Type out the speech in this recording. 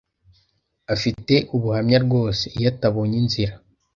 Afite ubuhamya rwose iyo atabonye inzira.